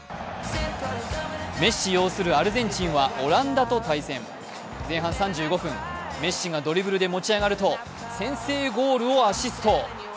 メッシ擁するアルゼンチンはオランダと対戦。前半３５分、メッシがドリブルで持ち上がると先制ゴールをアシスト。